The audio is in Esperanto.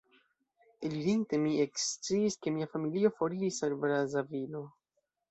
Elirinte, mi eksciis, ke mia familio foriris al Brazavilo.